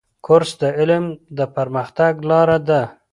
کورس د علم د پرمختګ لاره ده.